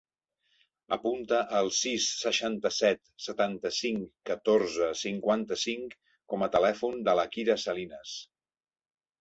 Apunta el sis, seixanta-set, setanta-cinc, catorze, cinquanta-cinc com a telèfon de la Kira Salinas.